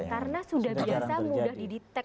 karena sudah biasa mudah didetek